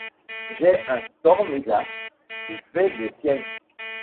J’ai un storm-glass qui fait des siennes.